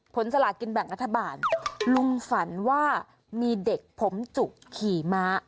สลากินแบ่งรัฐบาลลุงฝันว่ามีเด็กผมจุขี่ม้า